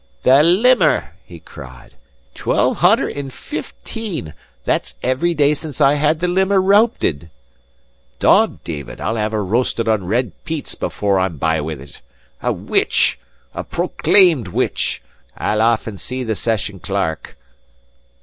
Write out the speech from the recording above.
"The limmer!" he cried. "Twelve hunner and fifteen that's every day since I had the limmer rowpit!* Dod, David, I'll have her roasted on red peats before I'm by with it! A witch a proclaimed witch! I'll aff and see the session clerk."